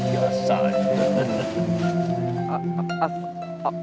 iya ya sajalah